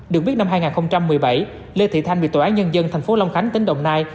được biết năm hai nghìn một mươi bảy lê thị thanh bị tòa án nhân dân thành phố long khánh tỉnh đồng nai